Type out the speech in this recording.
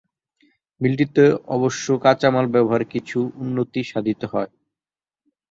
মিলটিতে অবশ্য কাঁচামাল ব্যবহারে কিছু উন্নতি সাধিত হয়।